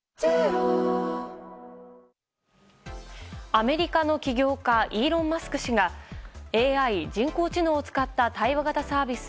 アメリカの起業家イーロン・マスク氏がＡＩ・人工知能を使った対話型サービス